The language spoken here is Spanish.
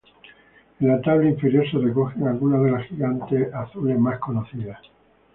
En la tabla inferior se recogen algunas de las gigantes azules más conocidas.